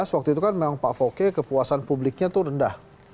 waktu itu kan memang pak foke kepuasan publiknya itu rendah